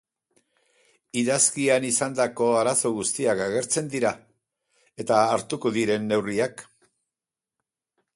Idazkian izandako arazo guztiak agertzen dira eta hartuko diren neurriak.